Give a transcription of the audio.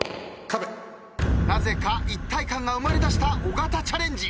なぜか一体感が生まれだした尾形チャレンジ。